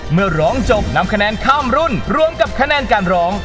เมื่อร้องจบนำคะแนนข้ามรุ่นรวมกับคะแนนการร้อง